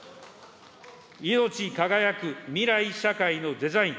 いのち輝く未来社会のデザイン。